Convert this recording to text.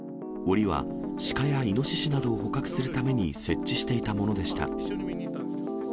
山に返すため、シカやイノシシなどを捕獲するために設置していたものでした。